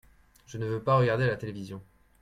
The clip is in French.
Je ne veux par regarder la télévision.